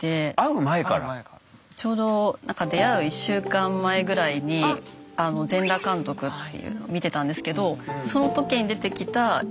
ちょうどなんか出会う１週間前ぐらいに「全裸監督」っていうのを見てたんですけどその時に出てきたインチキ